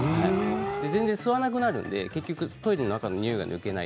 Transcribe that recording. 全然吸わなくなるので結局トイレの中のにおいが抜けない